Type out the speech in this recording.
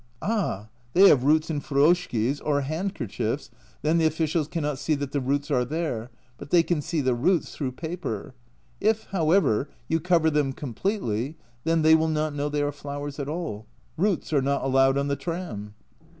"Ah, they have roots in feruskes or hand A Journal from Japan 151 kerchiefs, then the officials cannot see that the roots are there, but they can see the roots through paper. If, however, you cover them completely, then they will not know they are flowers at all. Roots are not allowed on the tram."